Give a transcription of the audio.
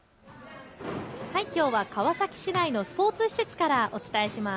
きょうは川崎市内のスポーツ施設からお伝えします。